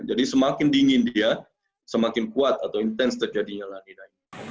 jadi semakin dingin dia semakin kuat atau intens terjadinya lanina